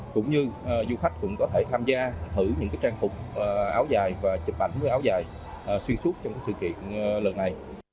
cũng như du khách cũng có thể tham gia thử những trang phục áo dài và chụp ảnh với áo dài xuyên suốt trong sự kiện lần này